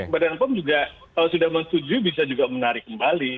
badan pom juga kalau sudah menyetujui bisa juga menarik kembali